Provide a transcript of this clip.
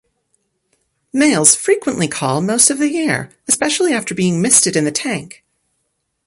Males frequently call most of the year, especially after being misted in the tank.